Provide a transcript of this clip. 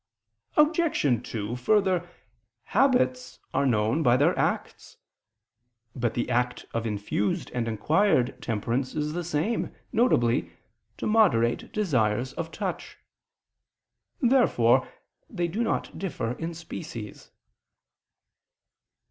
Obj. 2: Further, habits are known by their acts. But the act of infused and acquired temperance is the same, viz. to moderate desires of touch. Therefore they do not differ in species.